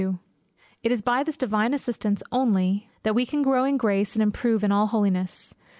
It is by this Divine assistance only that we can grow in Grace, and improve in all Holiness.